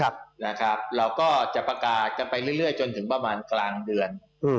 พิสุทธิงสการไปเรื่อยจนมากลางเดือน